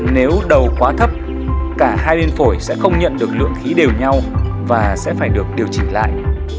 nếu đầu quá thấp cả hai bên phổi sẽ không nhận được lượng khí đều nhau và sẽ phải được điều chỉnh lại